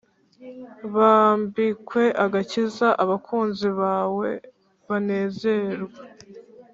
bambikwe agakiza abakunzi bawe banezererwe